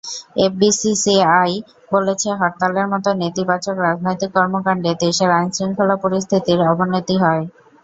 FBCCI বলেছে, হরতালের মতো নেতিবাচক রাজনৈতিক কর্মকাণ্ডে দেশের আইন-শৃঙ্খলা পরিস্থিতির অবনতি হয়।